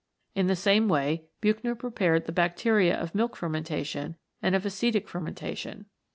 In the same way Buchner prepared the bacteria of milk fermentation and of acetic fermentation.